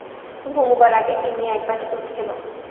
ঘুমুবার আগে তিন্নি একবাটি দুধ খেল।